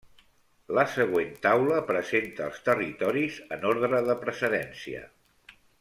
La següent taula presenta els territoris en ordre de precedència.